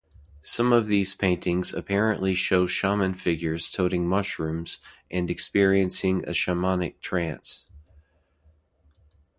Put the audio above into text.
Some of these paintings apparently show shaman-figures toting mushrooms, and experiencing a shamanic trance.